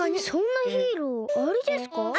そんなヒーローありですか？